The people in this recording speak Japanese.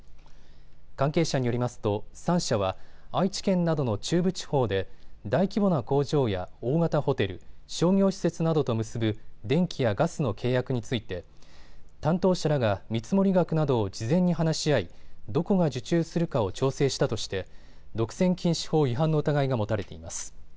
関係者によりますと３社は愛知県などの中部地方で大規模な工場や大型ホテル、商業施設などと結ぶ電気やガスの契約について担当者らが見積もり額などを事前に話し合いどこが受注するかを調整したとして独占禁止法違反の疑いが持たれています。